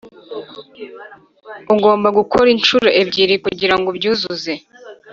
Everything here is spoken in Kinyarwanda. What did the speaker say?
ugomba gukora inshuro ebyiri kugirango ubyuzuze. '